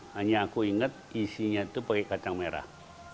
hanya aku ingat isinya itu pakai kacang merah